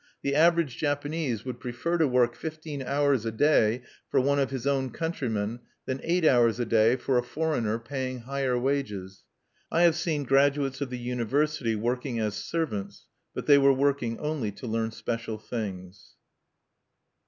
The average Japanese would prefer to work fifteen hours a day for one of his own countrymen than eight hours a day for a foreigner paying higher wages. I have seen graduates of the university working as servants; but they were working only to learn special things.